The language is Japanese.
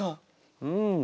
うん。